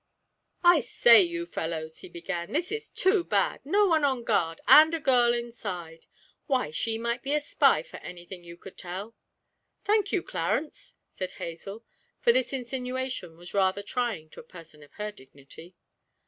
'I say, you fellows,' he began, 'this is too bad no one on guard, and a girl inside! Why, she might be a spy for anything you could tell!' 'Thank you, Clarence!' said Hazel; for this insinuation was rather trying to a person of her dignity.